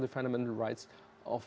tetapi juga misalnya hak asal